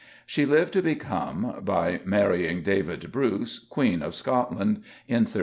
She lived to become, by marrying David Bruce, Queen of Scotland in 1327.